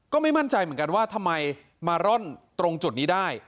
ก็ไม่มั่นใจเหมือนกันว่าทำไมมาร่อนตรงจุดนี้ได้